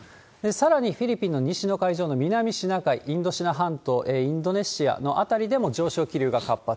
さらにフィリピンの西の海上の南シナ海、インドシナ半島、インドネシアの辺りでも上昇気流が活発。